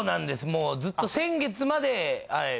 もうずっと先月まで。